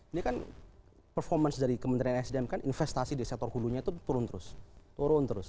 ini kan performance dari kementerian sdm kan investasi di sektor hulunya itu turun terus turun terus